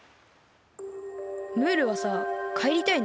ムールはさかえりたいの？